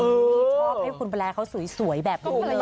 ชอบให้คุณแรร์เขาสวยแบบนี้เลย